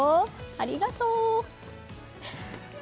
ありがとう！